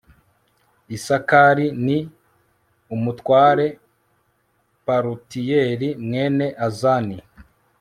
isakari r ni umutware palutiyeli mwene azani